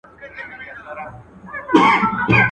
شپه که تياره ده، مڼې په شمار دي.